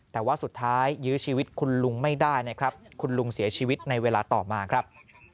แต่ว่าสุดท้ายยื้อชีวิตคุณลุงไม่ได้นะครับคุณลุงเสียชีวิตในเวลาต่อมาครับ